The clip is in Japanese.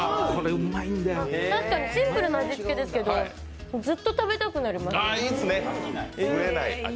確かにシンプルな味付けですけど、ずっと食べたくなりますね。